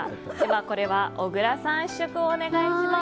これは小倉さん試食をお願いします。